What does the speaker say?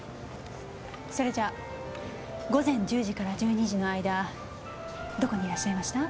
それじゃあ午前１０時から１２時の間どこにいらっしゃいました？